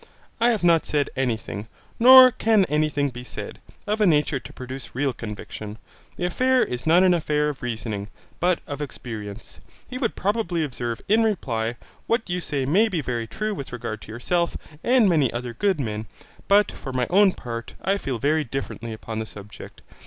I have not said any thing, nor can any thing be said, of a nature to produce real conviction. The affair is not an affair of reasoning, but of experience. He would probably observe in reply, what you say may be very true with regard to yourself and many other good men, but for my own part I feel very differently upon the subject.